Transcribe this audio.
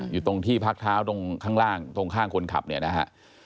อยู่ตรงที่พักเท้าตรงข้างล่างตรงข้างคนขับเนี่ยนะฮะ